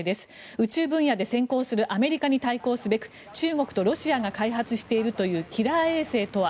宇宙分野で先行するアメリカに対抗すべく中国とロシアが開発しているというキラー衛星とは。